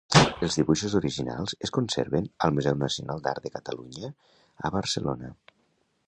Els dibuixos originals es conserven al Museu Nacional d'Art de Catalunya a Barcelona.